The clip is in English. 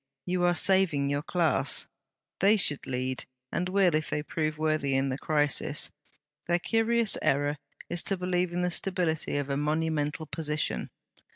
You are saving your class. They should lead, and will, if they prove worthy in the crisis. Their curious error is to believe in the stability of a monumental position.'